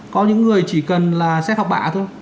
có những người chỉ cần là xét học bạ thôi